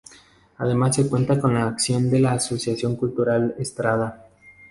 Además se cuenta con la acción de la Asociación Cultural Estrada.